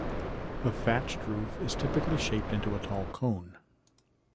The thatched roof is typically shaped into a tall cone.